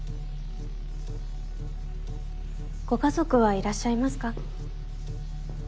ご家族はいらっしゃいますか？